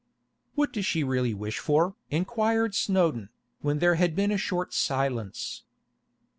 'What does she really wish for?' inquired Snowdon, when there had been a short silence.